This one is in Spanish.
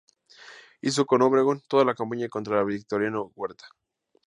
Hizo con Obregón toda la campaña contra Victoriano Huerta.